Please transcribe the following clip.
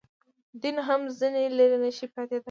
دین هم ځنې لرې نه شي پاتېدای.